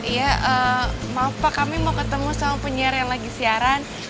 ya maaf pak kami mau ketemu sama penyiar yang lagi siaran